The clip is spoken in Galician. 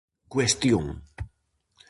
Cuestión.